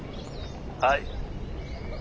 はい。